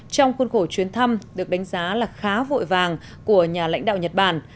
trong khuôn khổ chuyến thăm được đánh giá là khá vội vàng của nhà lãnh đạo nhật bản